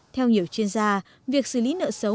theo nhiều chuyên gia việc xử lý nợ xấu